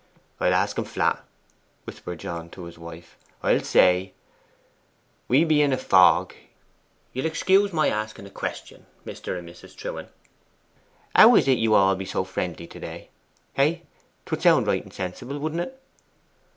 'I'll ask 'em flat,' whispered John to his wife. 'I'll say, "We be in a fog you'll excuse my asking a question, Mr. and Mrs. Trewen. How is it you all be so friendly to day?" Hey? 'Twould sound right and sensible, wouldn't it?